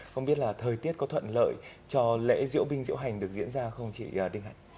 không biết là thời tiết có thuận lợi cho lễ diễu binh diễu hành được diễn ra không chị đinh hạnh